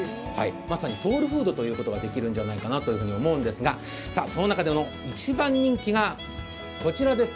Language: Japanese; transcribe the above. まさにソウルフードということができるんじゃないかと思うんですがその中での一番人気がこちらです。